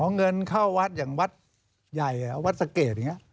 เงินเข้าวัดอย่างวัดใหญ่วัดสะเกดอย่างนี้